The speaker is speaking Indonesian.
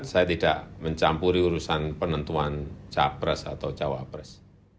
saya tidak mencampuri urusan penentuan capres atau cawapres